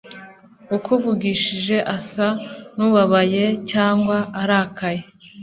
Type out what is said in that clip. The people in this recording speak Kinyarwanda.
akuvugishije asa n ubabaye cyangwa arakaye